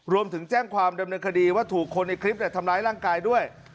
รวมถึงแจ้งความดำเนินคดีว่าถูกคนในคลิปทำร้ายร่างกายด้วย